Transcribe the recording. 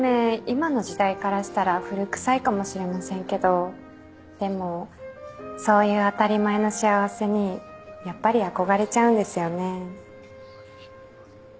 今の時代からしたら古くさいかもしれませんけどでもそういう当たり前の幸せにやっぱり憧れちゃうんですよね。